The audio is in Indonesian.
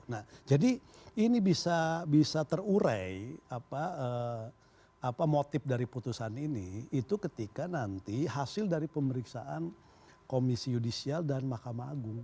nah jadi ini bisa terurai motif dari putusan ini itu ketika nanti hasil dari pemeriksaan komisi yudisial dan mahkamah agung